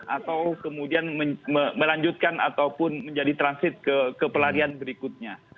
atau kemudian melanjutkan ataupun menjadi transit ke pelarian berikutnya